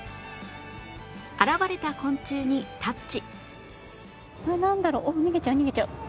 現れた昆虫にタッチ